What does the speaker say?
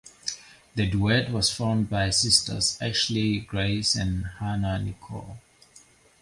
The duet was formed by sisters Ashley Grace and Hanna Nicole.